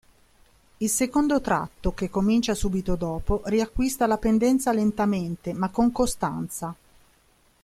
Il secondo tratto, che comincia subito dopo, riacquista la pendenza lentamente, ma con costanza.